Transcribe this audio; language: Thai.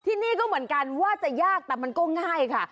ที่นี่ก็เหมือนกันว่าจะยากแต่มันก็ง่ายค่ะ